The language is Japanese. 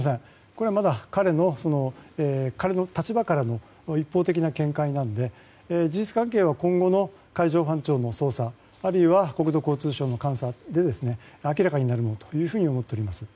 これはまだ彼の立場からの一方的な見解なので事実関係は今後の海上保安庁の調査あるいは国土交通省の監査で明らかになると思っております。